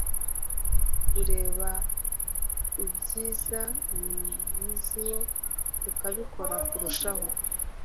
ureba ubyiza wiyiziho ukabikora kurushaho